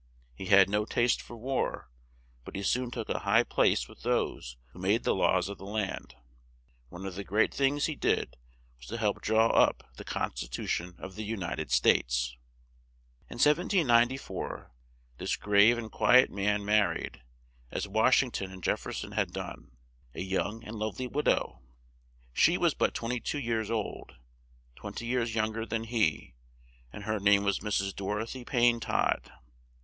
He had no taste for war, but he soon took a high place with those who made the laws of the land. One of the great things he did was to help draw up the Con sti tu tion of the U nit ed States. In 1794 this grave and qui et man mar ried, as Wash ing ton and Jef fer son had done, a young and love ly wid ow. She was but twen ty two years old, twen ty years young er than he, and her name was Mrs. Dor o thy Payne Todd.